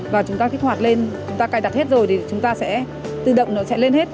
và chúng ta kích hoạt lên chúng ta cài đặt hết rồi thì chúng ta sẽ tự động nó sẽ lên hết